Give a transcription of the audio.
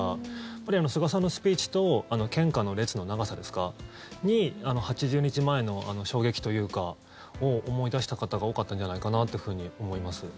やっぱり菅さんのスピーチと献花の列の長さに８０日前の衝撃を思い出した方が多かったんじゃないかなと思います。